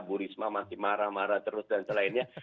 bu risma masih marah marah terus dan selainnya